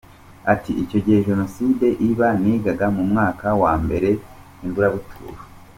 Ati “Icyo gihe Jenoside iba nigaga mu mwaka wa Mbere i Mburabuturo.